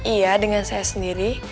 iya dengan saya sendiri